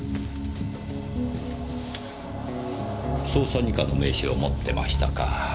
捜査二課の名刺を持ってましたか。